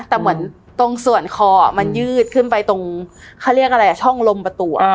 แต่เหมือนตรงส่วนคอมันยืดขึ้นไปตรงช่องลมประตัว